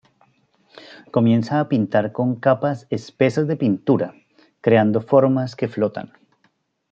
Comienza a pintar con capas espesas de pintura creando formas que flotan.